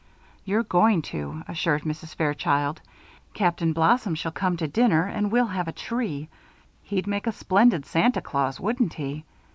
'" "You're going to," assured Mrs. Fairchild. "Captain Blossom shall come to dinner and we'll have a tree. He'd make a splendid Santa Claus, wouldn't he?